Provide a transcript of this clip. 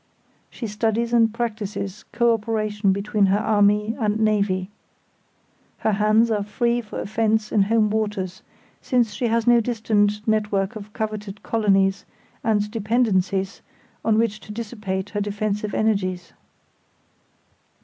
She studies and practises co operation between her army and navy. Her hands are free for offence in home waters, since she has no distant network of coveted colonies and dependencies on which to dissipate her defensive energies.